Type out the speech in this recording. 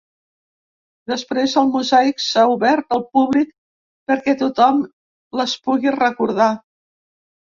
Després, el mosaic s’ha obert al públic perquè tothom les pugui recordar.